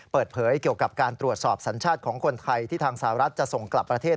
เปิดเผยเกี่ยวกับการตรวจสอบสัญชาติของคนไทยที่ทางสหรัฐจะส่งกลับประเทศ